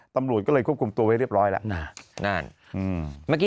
ตำรวจก็เลยควบคุมตัวไว้เรียบร้อยแล้ว